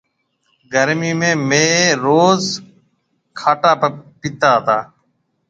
گرميِ ۾ ميه روز کاٽا پيتا تا۔